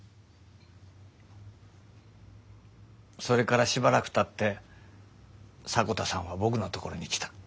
それからしばらくたって迫田さんは僕のところに来た。